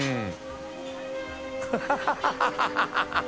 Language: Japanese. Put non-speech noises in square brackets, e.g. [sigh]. ハハハ [laughs]